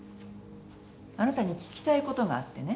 あなたに聞きたいことがあってね。